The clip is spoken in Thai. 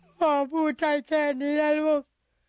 พ่อพูดใช่แค่นี้นะลูก